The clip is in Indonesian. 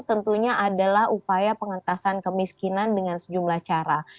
tentunya adalah upaya pengentasan kemiskinan dengan sejumlah cara